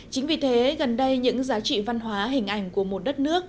chính vì thế gần đây những giá trị văn hóa hình ảnh của một đất nước